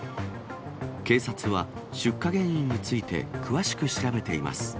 警察は出火原因について詳しく調べています。